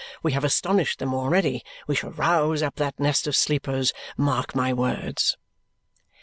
We have astonished them already. We shall rouse up that nest of sleepers, mark my words!"